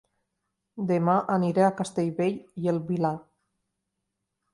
Dema aniré a Castellbell i el Vilar